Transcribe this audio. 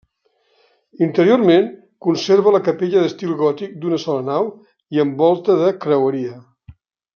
Interiorment, conserva la capella d'estil gòtic d'una sola nau i amb volta de creueria.